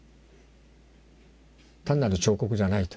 単なる彫刻じゃないと。